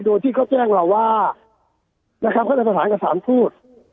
โดยที่เขาแจ้งเราว่าเขาจะสาธารณ์กับสารพูด